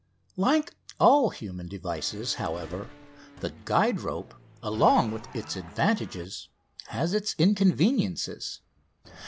Like all human devices, however, the guide rope, along with its advantages, has its inconveniences.